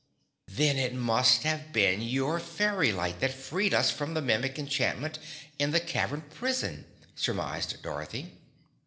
"Then it must have been your fairy light that freed us from the Mimic enchantment in the cavern prison," surmised Dorothy.